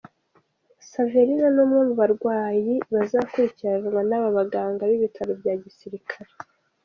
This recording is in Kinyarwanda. Saverina , ni umwe mu barwayi bazakurikiranwa n’aba baganga b’ ibitaro bya gisirikare.